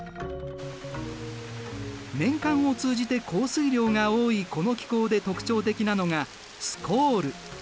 年間を通じて降水量が多いこの気候で特徴的なのがスコール。